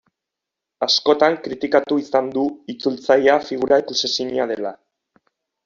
Askotan kritikatu izan du itzultzailea figura ikusezina dela.